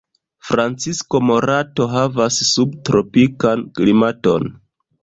Francisco Morato havas subtropikan klimaton.